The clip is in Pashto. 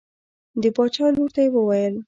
د باچا لور ته یې وویل.